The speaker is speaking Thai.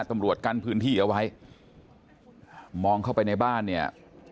ตำรวจกั้นพื้นที่เอาไว้มองเข้าไปในบ้านเนี่ย